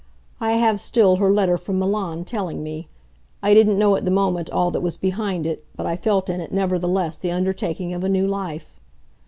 I have still her letter from Milan, telling me; I didn't know at the moment all that was behind it, but I felt in it nevertheless the undertaking of a new life.